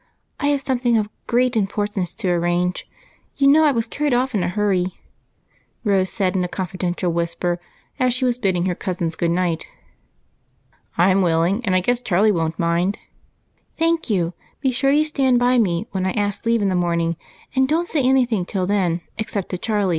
I have something of great importance to arrange ; you know I was carried off in a hurry," Rose said in a confidential whisjDer as she was bidding her cousins good night. " I 'm willing, and I guess Charlie won't mind." " Thank you ; be sure you stand by me when I ask leave in the morning, and don't «ay any thing till then, except to Charlie.